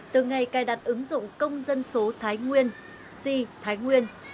từ ngày cài đặt ứng dụng công dân số thái nguyên si thái nguyên